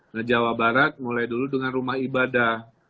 nah jawa barat mulai dulu dengan rumah ibadah